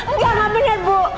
enggak enggak benar bu